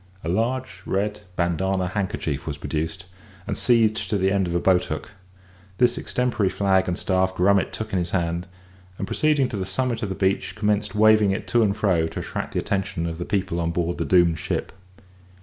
A large red bandana handkerchief was produced and seized to the end of a boat hook; this extempore flag and staff Grummet took in his hand, and, proceeding to the summit of the beach, commenced waving it to and fro, to attract the attention of the people on board the doomed ship.